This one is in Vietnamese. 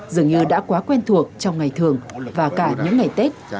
dường như đã quá quen thuộc trong ngày thường và cả những ngày tết